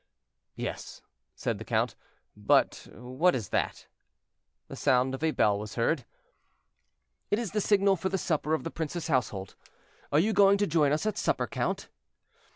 "Yes," said the count; "but what is that?" The sound of a bell was heard. "It is the signal for the supper of the prince's household; are you going to join us at supper, count?"